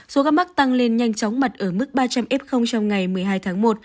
số ca mắc tăng lên nhanh chóng mặt ở mức ba trăm linh f trong ngày một mươi hai tháng một